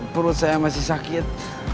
perut saya masih sakit